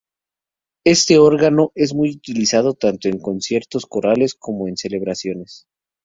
Este órgano es muy utilizado, tanto en conciertos de corales como en celebraciones.